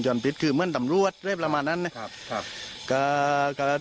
แต่ว่าคือเป็นจุดที่จะไปจะประจำคุมแล้วอย่างนี้นะ